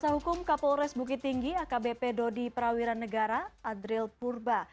kuasa hukum kapolres bukit tinggi akbp dodi prawiran negara adril purba